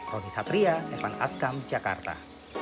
roni satria evan askam jakarta